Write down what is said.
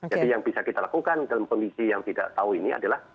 jadi yang bisa kita lakukan dalam kondisi yang tidak tahu ini adalah